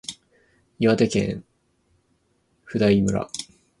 岩手県普代村